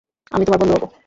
আমি তোমার বন্ধু হব!